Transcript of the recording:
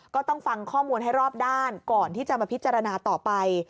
ก็ต้องฟังข้อมูลให้รอบด้านก่อนที่จะมาพิจารณาต่อไป